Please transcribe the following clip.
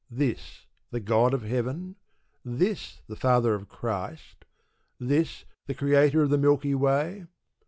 This the God of Heaven? This the Father of Christ? This the Creator of the Milky Way?